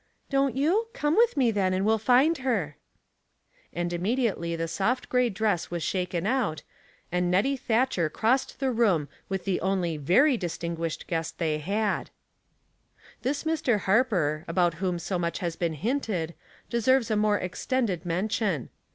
" Don't you ? Come with me, then, and we'll find her." The Force of Argument. 231 And immediately the soft gray dress wa3 shaken out, and Nettie Thatcher crossed the room with the only very distinguished guest they had. This Mr. Harper, about whom so much has been hinted, deserves a more extended mention.